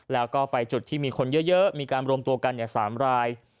แล้วก็ไปจุดที่มีคนเยอะมีการรวมตัวกัน๓ราย